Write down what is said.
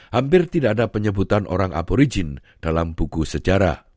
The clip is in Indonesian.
hampir tidak ada penyebutan orang aporigin dalam buku sejarah